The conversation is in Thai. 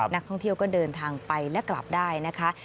นักท่องเที่ยวก็เดินทางไปและกลับได้นะคะ